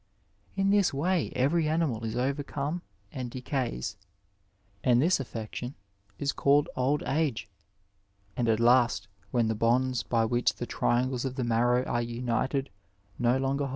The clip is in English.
In this way every animal is overcome and decays, and this affection is called old age. And at last, when the bonds by which the triangles of the marrow are united no longer ^ Dialogues, iii.